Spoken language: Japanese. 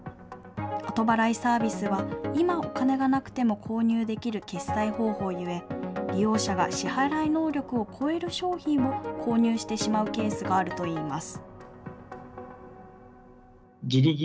後払いサービスは今お金がなくても購入できる決済方法ゆえ、利用者が支払い能力を超える商品を購入してしまうケースがあるといいます。